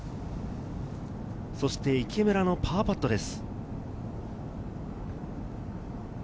そして池村のパーパットです。